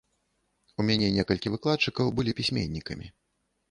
У мяне некалькі выкладчыкаў былі пісьменнікамі.